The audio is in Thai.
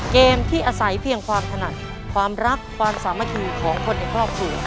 เกมที่อาศัยเพียงความถนัดความรักความสามัคคีของคนในครอบครัว